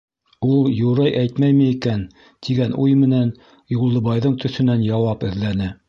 Ул юрый әйтмәйме икән тигән уй менән Юлдыбайҙың төҫөнән яуап эҙләне.